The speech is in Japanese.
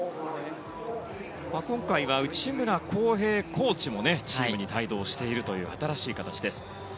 今回は内村航平コーチもチームに帯同しているという新しい形です。